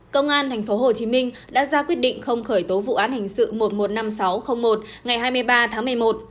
công an tp hcm đã ra quyết định không khởi tố vụ án hình sự một trăm một mươi năm nghìn sáu trăm linh một ngày hai mươi ba tháng một mươi một